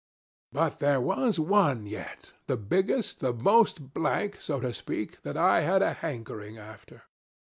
But there was one yet the biggest, the most blank, so to speak that I had a hankering after.